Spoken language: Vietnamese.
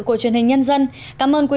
có nhiều nguyên nhân dẫn đến điều này